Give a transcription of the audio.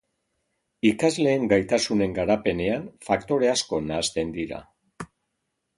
Ikasleen gaitasunen garapenean faktore asko nahasten dira.